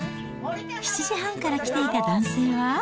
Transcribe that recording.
７時半から来ていた男性は。